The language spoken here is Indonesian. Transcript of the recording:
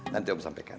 nanti om sampaikan